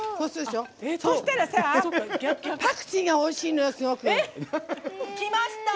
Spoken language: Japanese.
そしたらさ、パクチーがおいしいのよ、すごく。きました！